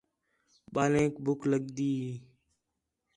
ٻالینک ٻُکھ لڳدی ہے